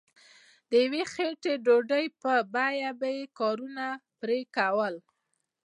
د یوې خیټې ډوډۍ په بیه به یې کارونه پرې کول.